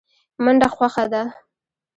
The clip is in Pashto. منډه خوښه ده.